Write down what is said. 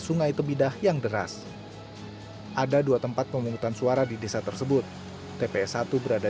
sungai tebidah yang deras ada dua tempat pemungutan suara di desa tersebut tps satu berada